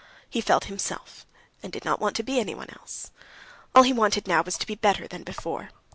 He felt himself, and did not want to be anyone else. All he wanted now was to be better than before.